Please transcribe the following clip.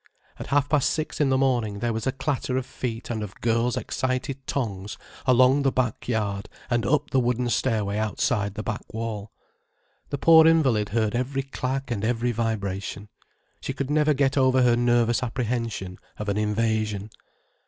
At half past six in the morning there was a clatter of feet and of girls' excited tongues along the back yard and up the wooden stair way outside the back wall. The poor invalid heard every clack and every vibration. She could never get over her nervous apprehension of an invasion.